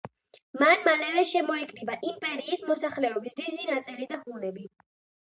მან მალევე შემოიკრიბა იმპერიის მოსახლეობის დიდი ნაწილი და ჰუნები.